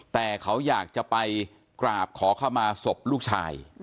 แต่เขาอยากจะไปกราบขอเข้ามาศพลูกชาย